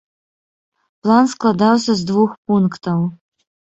План складаўся з двух пунктаў.